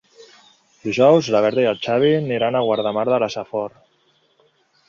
Dijous na Berta i en Xavi aniran a Guardamar de la Safor.